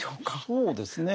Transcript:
そうですね。